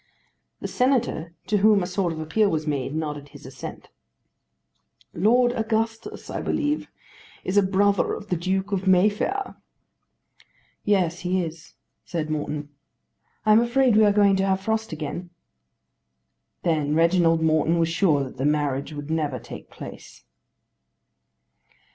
The Senator, to whom a sort of appeal was made, nodded his assent. "Lord Augustus, I believe, is a brother of the Duke of Mayfair?" "Yes, he is," said Morton. "I am afraid we are going to have frost again." Then Reginald Morton was sure that the marriage would never take place.